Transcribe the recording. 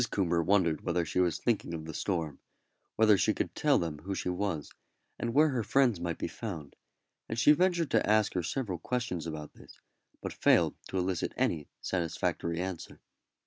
Coomber wondered whether she was thinking of the storm; whether she could tell them who she was, and where her friends might be found; and she ventured to ask her several questions about this, but failed to elicit any satisfactory answer.